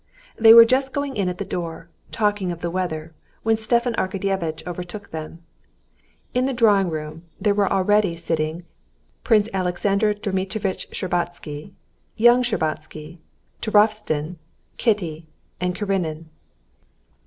They were just going in at the door, talking of the weather, when Stepan Arkadyevitch overtook them. In the drawing room there were already sitting Prince Alexander Dmitrievitch Shtcherbatsky, young Shtcherbatsky, Turovtsin, Kitty, and Karenin.